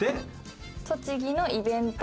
「栃木のイベンター」